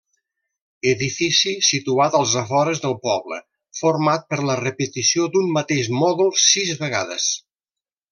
Edifici situat als afores del poble, format per la repetició d'un mateix mòdul sis vegades.